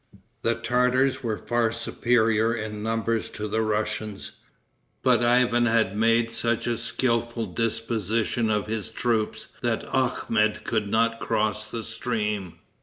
The Tartars were far superior in numbers to the Russians, but Ivan had made such a skillful disposition of his troops that Akhmet could not cross the stream.